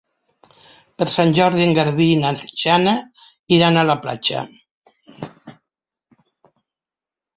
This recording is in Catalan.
Per Sant Jordi en Garbí i na Jana iran a la platja.